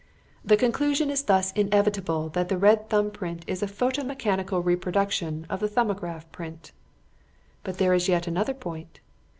The conclusion is thus inevitable that the red thumb print is a photo mechanical reproduction of the 'Thumbograph' print. "But there is yet another point.